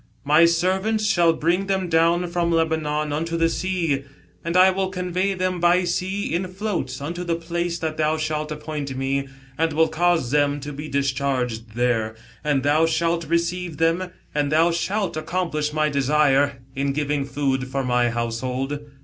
My servants shall bring them down from Lebanon unto the bea ; and I will convey them by sea in floats unto the place that thou shalt appoint me, and ,vill cause thejn 44 THE BUILDING OF TYRE. to be discharged there, and thou shalt receive them : ana thou shalt accomplish my desire, in giving food for my household."